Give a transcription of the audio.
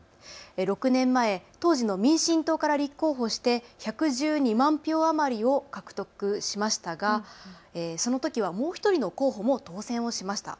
６年前、当時の民進党から立候補して１１２万票余りを獲得しましたが、そのときはもう１人の候補も当選をしました。